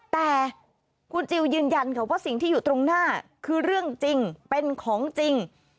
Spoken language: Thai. แต่คุณจิลยืนยันค่ะว่าสิ่งที่อยู่ตรงหน้าคือเรื่องจริงเป็นของจริง